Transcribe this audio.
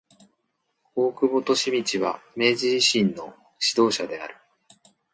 大久保利通は明治維新の指導者である。